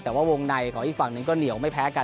แต่ว่าวงในของอีกฝั่งหนึ่งก็เหนียวไม่แพ้กัน